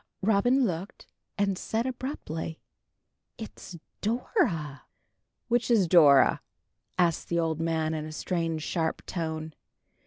Robin looked, and said abruptly, "It's Dora." "Which is Dora?" asked the old man in a strange, sharp tone.